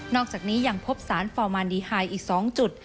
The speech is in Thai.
อกจากนี้ยังพบสารฟอร์มานดีไฮอีก๒จุด